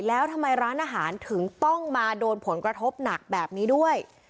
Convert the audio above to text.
แล้วทำไมร้านอาหารถึงต้องมาโดนผลกระทบหนักแบบนี้ด้วย